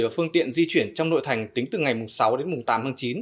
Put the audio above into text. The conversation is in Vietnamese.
phương tiện di chuyển trong nội thành tính từ ngày sáu đến tám tháng chín